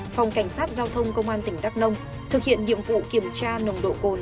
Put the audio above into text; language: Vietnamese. phòng cảnh sát giao thông công an tỉnh đắk nông thực hiện nhiệm vụ kiểm tra nồng độ cồn